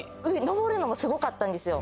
登るのもすごかったんですよ。